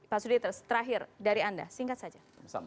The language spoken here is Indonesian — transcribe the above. pak suditer terakhir dari anda singkat saja